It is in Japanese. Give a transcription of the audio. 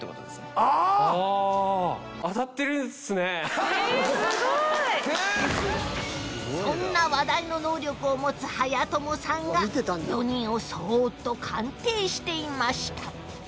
・えぇすごい・そんな話題の能力を持つはやともさんが４人をそっと鑑定していました